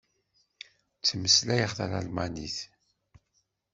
Ttmeslayeɣ talmanit.